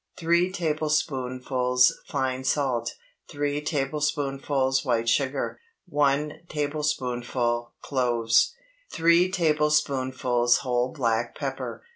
3 tablespoonfuls fine salt. 3 tablespoonfuls white sugar. 1 tablespoonful cloves. 3 tablespoonfuls whole black pepper.